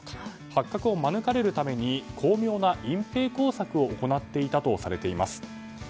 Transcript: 発覚を免れるために巧妙な隠蔽工作を行っていたとされています。